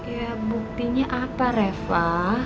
ya buktinya apa reva